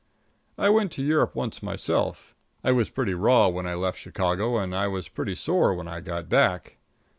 I went to Europe once myself. I was pretty raw when I left Chicago, and I was pretty sore when I got back.